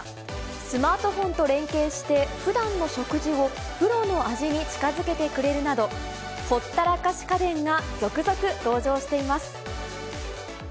スマートフォンと連携して、ふだんの食事をプロの味に近づけてくれるなど、ほったらかし家電が続々登場しています。